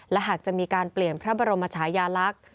และหากจะมีการเปลี่ยนพระบรมชายาลักษณ์